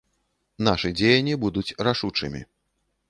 Нашы дзеянні будуць рашучымі.